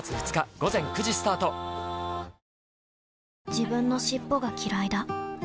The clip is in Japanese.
自分の尻尾がきらいだ